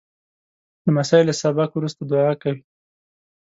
لمسی له سبق وروسته دعا کوي.